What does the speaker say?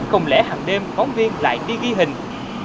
không lẽ hằng đêm bóng viên lại đi ghi hình